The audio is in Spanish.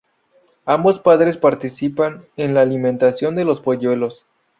Ambos padres participan en la alimentación de los polluelos.